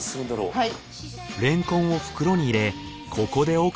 はい。